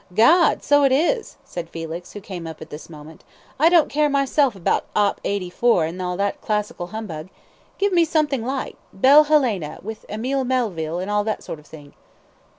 "Gad, so it is," said Felix, who came up at this moment. "I don't care myself about 'Op. 84' and all that classical humbug. Give me something light 'Belle Helene,' with Emelie Melville, and all that sort of thing."